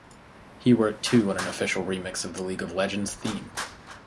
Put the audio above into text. He worked too on an official remix of League of Legends theme.